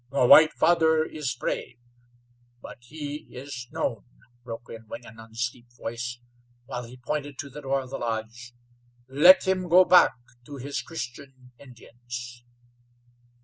"The white father is brave, but he is known," broke in Wingenund's deep voice, while he pointed to the door of the lodge. "Let him go back to his Christian Indians."